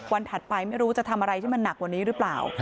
ถัดไปไม่รู้จะทำอะไรที่มันหนักกว่านี้หรือเปล่า